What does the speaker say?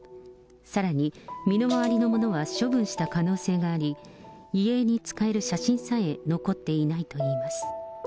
さらに、身の回りのものは処分した可能性があり、遺影に使える写真さえ残っていないといいます。